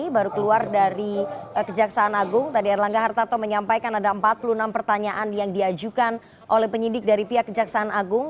baru keluar dari kejaksaan agung tadi erlangga hartarto menyampaikan ada empat puluh enam pertanyaan yang diajukan oleh penyidik dari pihak kejaksaan agung